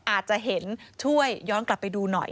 อาจจะเห็นช่วยย้อนกลับไปดูหน่อย